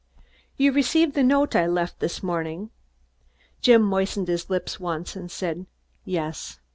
"You received the note I left this morning?" Jim moistened his lips once and said, "Yes."